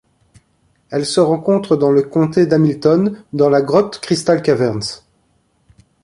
Elle se rencontre dans le comté de Hamilton dans la grotte Crystal Caverns.